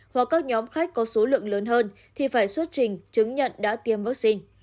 hoặc các nhóm khách có số lượng lớn hơn thì phải xuất trình chứng nhận đã tiêm vaccine